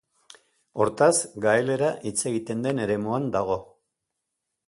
Hortaz, gaelera hitz egiten den eremuan dago.